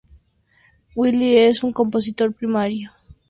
Willie es un compositor primario en Lamb of God.